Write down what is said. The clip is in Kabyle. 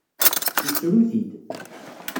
Yessru-t-id.